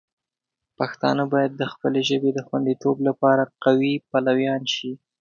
پښتانه باید د خپلې ژبې د خوندیتوب لپاره د قوی پلویان شي.